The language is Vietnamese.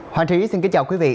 hoàng thúy xin kính chào quý vị